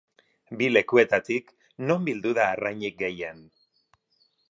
Bi lekuetatik, non bildu da arrainik gehien?